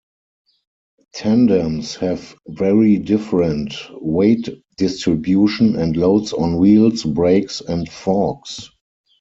Tandems have very different weight distribution and loads on wheels, brakes, and forks.